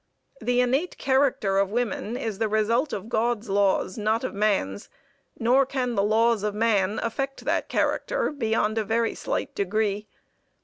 The innate character of women is the result of God's laws, not of man's, nor can the laws of man affect that character beyond a very slight degree.